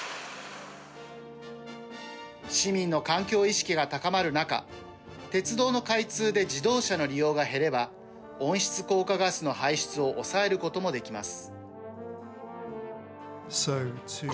市民の環境意識が高まる中鉄道の開通で自動車の利用が減れば温室効果ガスの排出を抑えることもできます。